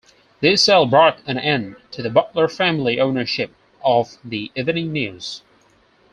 This sale brought an end to the Butler family ownership of the Evening News.